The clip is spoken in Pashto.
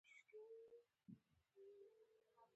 د بشري مرستو پر دوام